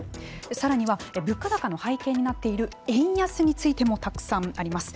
更には物価高の背景になっている円安についてもたくさんあります。